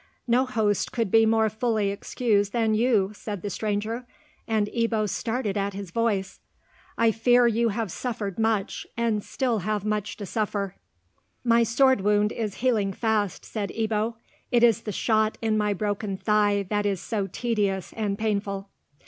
"No host could be more fully excused than you," said the stranger, and Ebbo started at his voice. "I fear you have suffered much, and still have much to suffer." "My sword wound is healing fast," said Ebbo; "it is the shot in my broken thigh that is so tedious and painful."